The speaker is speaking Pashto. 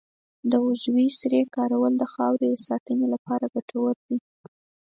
د عضوي سرې کارول د خاورې د ساتنې لپاره ګټور دي.